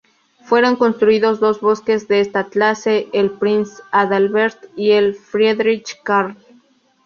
Fueron construidos dos buques de esta clase, el "Prinz Adalbert" y el "Friedrich Carl".